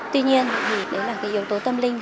tuy nhiên thì đấy là cái yếu tố tâm linh